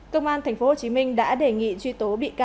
công an tp hcm đã đề nghị truy tố bị cung cấp